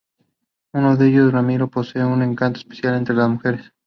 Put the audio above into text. Uno de ellos, Ramiro, posee un encanto especial entre las mujeres.